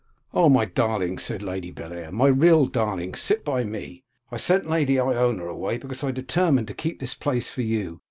'Oh, my darling!' said Lady Bellair, 'my real darling! sit by me. I sent Lady Ionia away, because I determined to keep this place for you.